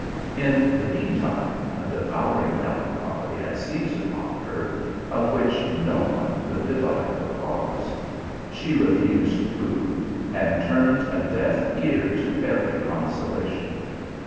In the mean time, a devour ing melancholy had seized upon her, of which no one could divine the cause. She refused food, and turned a deaf ear to every consolation.